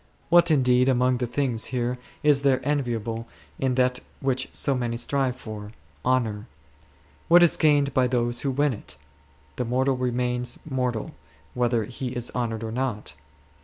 What, indeed, amongst the things here is there enviable in that which so many strive for, — honour? What is gained by those who win it? The mortal remains mortal whether he is honoured or not.